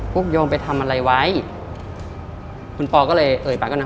โยมไปทำอะไรไว้คุณปอก็เลยเอ่ยปากก็นะ